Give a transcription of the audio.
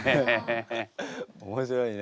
面白いね。